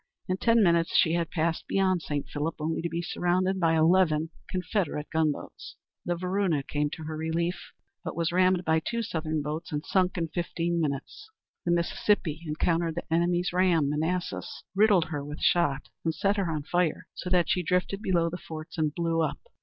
In ten minutes she had passed beyond St. Philip only to be surrounded by eleven Confederate gunboats. The Varuna came to her relief, but was rammed by two Southern boats, and sunk in fifteen minutes. The Mississippi encountered the enemy's ram, Manassas, riddled her with shot, and set her on fire, so that she drifted below the forts and blew up.